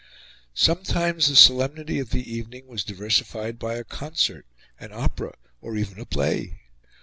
Sometimes the solemnity of the evening was diversified by a concert, an opera, or even a play.